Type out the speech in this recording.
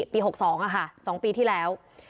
ปี๖๒อ่ะค่ะ๒ปีที่แล้ว